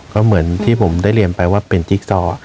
ก่อนที่ผมได้เรียนไปว่าจิ๊กซอว์